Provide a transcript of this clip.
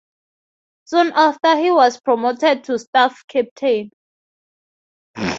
Soon after he was promoted to staff captain.